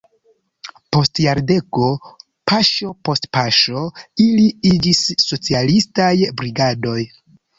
Post jardeko paŝo post paŝo ili iĝis "socialistaj brigadoj".